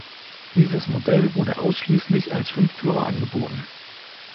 Dieses Modell wurde ausschließlich als Fünftürer angeboten.